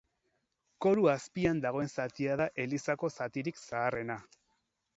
Koru azpian dagoen zatia da elizako zatirik zaharrena.